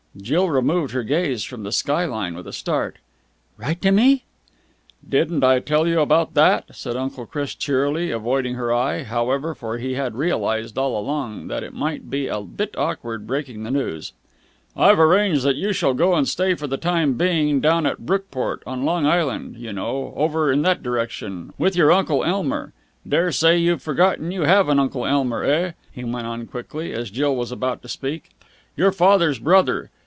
Jill removed her gaze from the sky line with a start. "Write to me?" "Didn't I tell you about that?" said Uncle Chris cheerily avoiding her eye, however, for he had realized all along that it might be a little bit awkward breaking the news. "I've arranged that you shall go and stay for the time being down at Brookport on Long Island, you know over in that direction with your Uncle Elmer. Daresay you've forgotten you have an Uncle Elmer, eh?" he went on quickly, as Jill was about to speak. "Your father's brother.